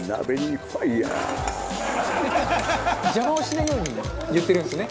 「邪魔をしないように言ってるんですね」